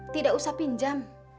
tidak usah pinjam